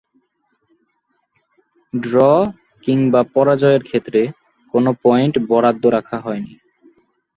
Draw কিংবা পরাজয়ের ক্ষেত্রে কোন পয়েন্ট বরাদ্দ রাখা হয়নি।